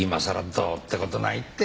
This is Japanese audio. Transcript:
どうって事ないって。